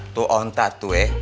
tuh ontak tuh eh